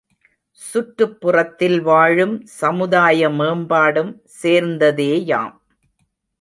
சுற்றுப்புறத்தில் வாழும் சமுதாய மேம்பாடும் சேர்ந்ததேயாம்.